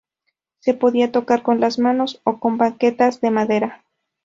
Se podía tocar con las manos o con baquetas de madera